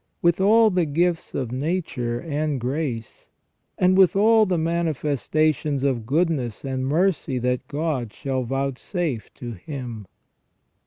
261 with all the gifts of nature and grace, and with all the manifesta tions of goodness and mercy that God shall vouchsafe to him.